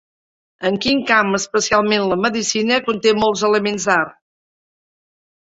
En quin camp especialment la medicina conte molts elements d'art?